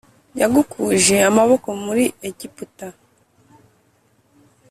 yagukuje amaboko muri Egiputa